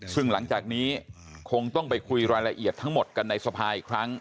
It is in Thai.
ซึ่งหลังจากนี้คงต้องไปคุยรายละเอียดทั้งหมดกันในสภาอีกครั้ง